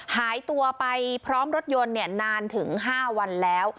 หายตัวไปพร้อมรถยนต์นานถึง๕วันแล้ว